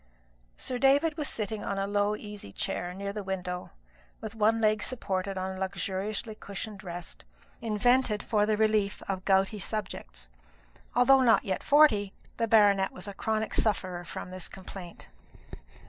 Sir David was sitting on a low easy chair near the window, with one leg supported on a luxuriously cushioned rest, invented for the relief of gouty subjects. Although not yet forty, the baronet was a chronic sufferer from this complaint.